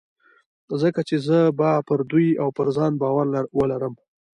ځکه چې زه به پر دوی او پر ځان باور ولرم.